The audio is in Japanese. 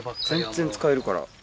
全然使えるから。